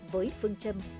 với phương châm